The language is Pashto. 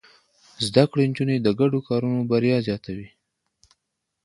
زده کړې نجونې د ګډو کارونو بريا زياتوي.